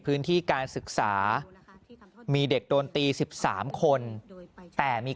พื้นที่การศึกษามีเด็กโดนตี๑๓คนแต่มี